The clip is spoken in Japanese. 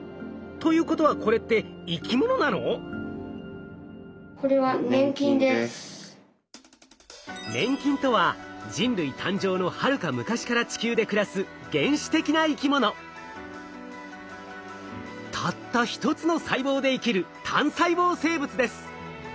ということはこれって粘菌とは人類誕生のはるか昔から地球で暮らすたった一つの細胞で生きる単細胞生物です。